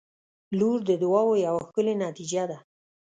• لور د دعاوو یوه ښکلي نتیجه ده.